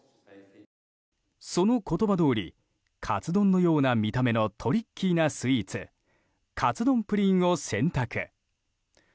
その言葉どおりカツ丼のような見た目のトリッキーなスイーツカツ丼プリンを選択。